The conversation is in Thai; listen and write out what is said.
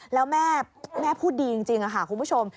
แล้วแม่พูดดีจริงค่ะคุณผู้ชม